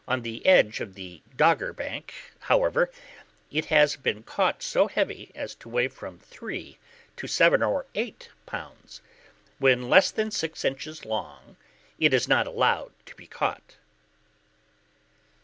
On the edge of the Dogger Bank, however, it has been caught so heavy as to weigh from three to seven or eight pounds. When less than six inches long, it is not allowed to be caught.